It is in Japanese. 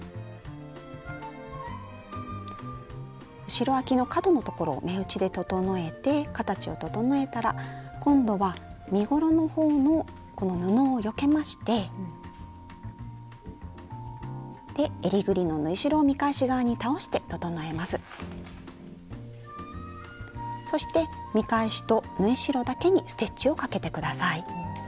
後ろあきの角のところを目打ちで整えて形を整えたら今度は身ごろの方のこの布をよけましてえりぐりのそして見返しと縫い代だけにステッチをかけて下さい。